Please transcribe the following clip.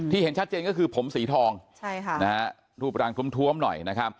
ที่เห็นชัดเจนก็คือผมสีทองรูปรังท้วมหน่อย